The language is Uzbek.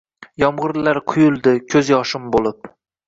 Yomg’irlar quyildi ko’z yoshim bo’lib